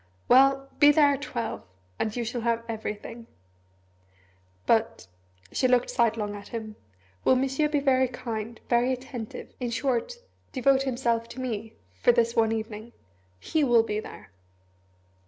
"Well be there at twelve, and you shall have everything. But," she looked sidelong at him, "will Monsieur be very kind very attentive in short, devote himself to me for this one evening? He will be there."